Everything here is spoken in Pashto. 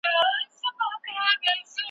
ځوانان بايد سياسي پېښې په دقت وڅېړي.